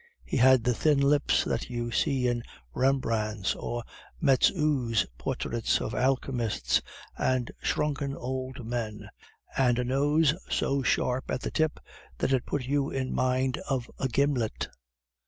He had the thin lips that you see in Rembrandt's or Metsu's portraits of alchemists and shrunken old men, and a nose so sharp at the tip that it put you in mind of a gimlet.